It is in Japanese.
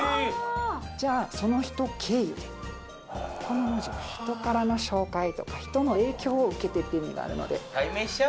じゃその人この文字が人からの紹介とか人の影響を受けてって意味があるのであら出た